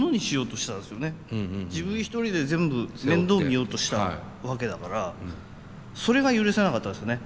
自分一人で全部面倒を見ようとしたわけだからそれが許せなかったですよね。